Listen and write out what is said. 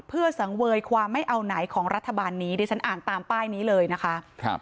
เพื่อสังเวยความไม่เอาไหนของรัฐบาลนี้ดิฉันอ่านตามป้ายนี้เลยนะคะครับ